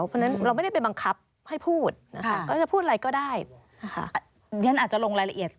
เพราะฉะนั้นเราไม่ได้ไปบังคับให้พูดถ้าพูดอะไรก็ได้